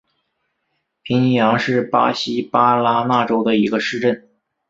皮尼扬是巴西巴拉那州的一个市镇。